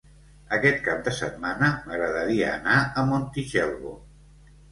Aquest cap de setmana m'agradaria anar a Montitxelvo.